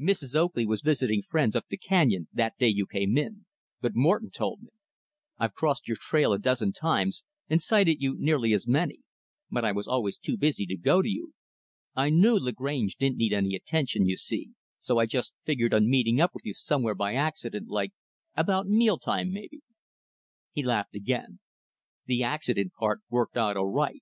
"Mrs. Oakley was visiting friends up the canyon, the day you came in; but Morton told me. I've crossed your trail a dozen times, and sighted you nearly as many; but I was always too busy to go to you. I knew Lagrange didn't need any attention, you see; so I just figured on meeting up with you somewhere by accident like about meal time, mebbe." He laughed again. "The accident part worked out all right."